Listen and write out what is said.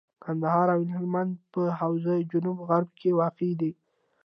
کندهار او هلمند په حوزه جنوب غرب کي واقع دي.